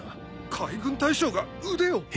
海軍大将が腕を！？